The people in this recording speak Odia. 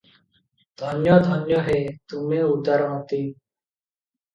ଧନ୍ୟ ଧନ୍ୟ ହେ, ତମେ ଉଦାରମତି ।